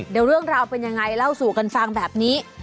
เดี๋ยวเรื่องราวเป็นยังไงเล่าสู่กันฟังแบบนี้